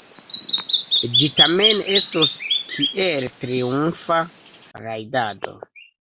Ĝi tamen estos kiel triumfa rajdado.